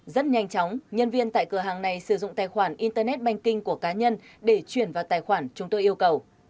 rất nhanh chóng nhân viên tại cửa hàng này sử dụng tài khoản internet banking của cá nhân để chuyển vào tài khoản chúng tôi yêu cầu